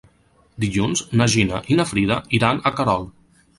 Dilluns na Gina i na Frida iran a Querol.